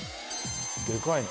でかいね。